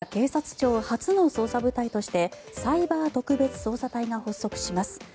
今日から警察庁初の捜査部隊としてサイバー特別捜査隊が発足します。